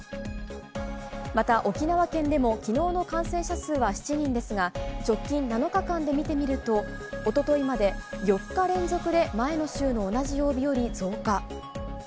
また沖縄県でも昨日の感染者数は７人ですが、直近７日間で見てみると一昨日まで４日連続で前の週の同じ曜日より増加。